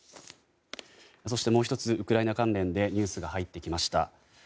そして、もう１つウクライナ関連でニュースが入ってきました。